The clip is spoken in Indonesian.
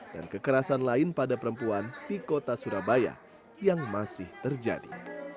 dan kekerasan lain pada perempuan di kota surabaya yang masih terjadi